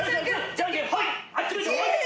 じゃんけんほい。